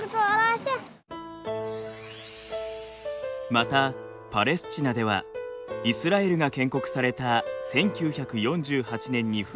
またパレスチナではイスラエルが建国された１９４８年に紛争が勃発。